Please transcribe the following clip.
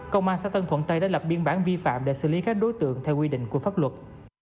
công an xã tân thuận tây đã lập biên bản vi phạm để xử lý các đối tượng theo quy định của pháp luật